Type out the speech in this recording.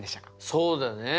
そうだね。